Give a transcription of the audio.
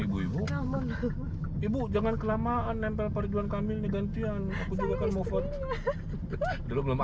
ibu ibu ibu jangan kelamaan nempel pariwan kamil gantian aku juga kan mau vote belum